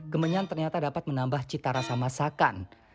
kemenyan ternyata dapat menambah cita rasa masakan